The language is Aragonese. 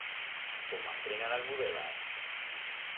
Como a trena d'Almudébar?